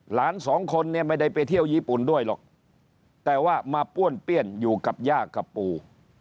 หลานสองคนเนี่ยไม่ได้ไปเที่ยวญี่ปุ่นด้วยหรอกแต่ว่ามาป้วนเปี้ยนอยู่กับย่ากับปู่